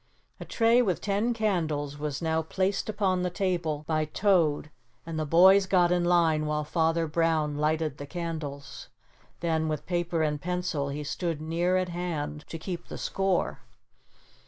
A tray with ten candles was now placed upon the table by Toad and the boys got in line while Father Brown lighted the candles. Then, with paper and pencil he stood near at hand to keep the score.